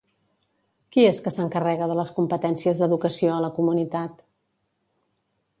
Qui és que s'encarrega de les competències d'educació a la comunitat?